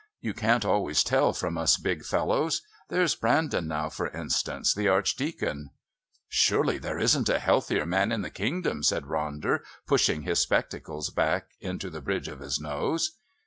"You can't always tell from us big fellows. There's Brandon now, for instance the Archdeacon." "Surely there isn't a healthier man in the kingdom," said Ronder, pushing his spectacles back into the bridge of his nose.